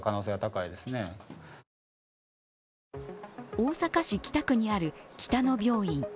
大阪市北区にある北野病院。